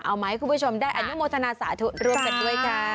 มาให้คุณผู้ชมได้อนุโมทนาสาธุร่วมกันด้วยค่ะ